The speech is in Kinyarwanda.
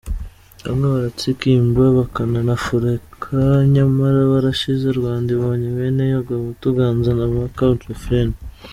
Bamwe baratsikimbaaa, bakananafurekaa, Nyamara birashize, Rwanda ibonye bene yo, Gahutu ganza nta mpakaaa Refrain :